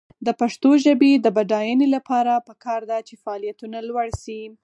د پښتو ژبې د بډاینې لپاره پکار ده چې فعالیتونه لوړ شي.